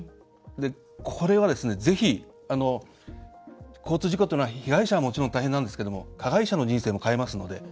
これは、ぜひ交通事故というのは被害者はもちろん大変なんですけども加害者の人生も変えますので。